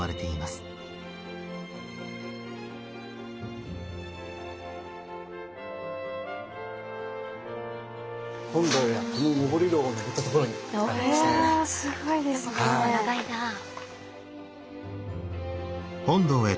すごいですね。